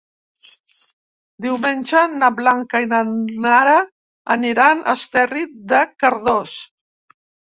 Diumenge na Blanca i na Nara aniran a Esterri de Cardós.